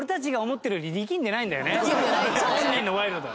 本人のワイルドは。